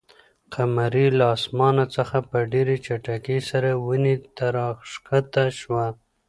قمرۍ له اسمانه څخه په ډېرې چټکۍ سره ونې ته راښکته شوه.